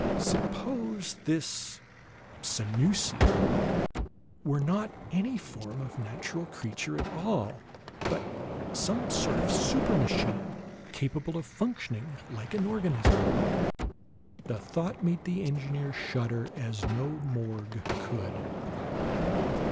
Suppose this Sanusian were not any form of natural creature at all, but some sort of supermachine, capable of functioning like an organism? The thought made the engineer shudder as no morgue could.